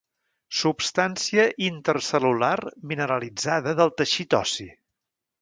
Substància intercel·lular mineralitzada del teixit ossi.